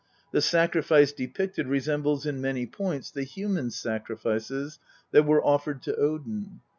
The sacrifice depicted resembles in many points the human sacrifices that were offered to Odin.